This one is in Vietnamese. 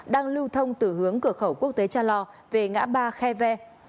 đang lưu thông từ hướng cửa khẩu quốc tế cha lo về ngã ba khe ve